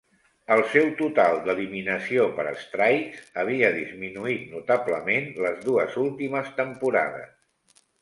El seu total d'eliminació per strikes havia disminuït notablement les dues últimes temporades.